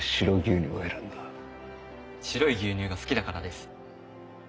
白い牛乳が好きだからです。